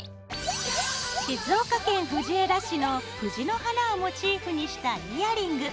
静岡県藤枝市の「藤の花」をモチーフにしたイヤリング。